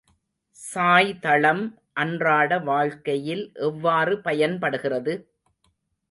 சாய்தளம் அன்றாட வாழ்க்கையில் எவ்வாறு பயன் படுகிறது?